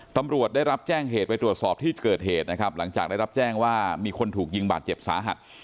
ตำรวจได้รับแจ้งเหตุไปตรวจสอบที่เกิดเหตุนะครับหลังจากได้รับแจ้งว่ามีคนถูกยิงบาดเจ็บสาหัส